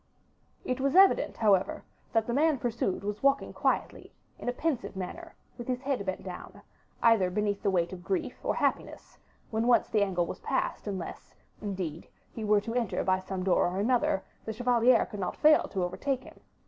It was evident, however, that as the man pursued was walking quietly, in a pensive manner, with his head bent down, either beneath the weight of grief or happiness, when once the angle was passed, unless, indeed, he were to enter by some door or another, the chevalier could not fail to overtake him.